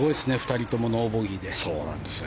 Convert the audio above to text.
２人ともノーボギーで。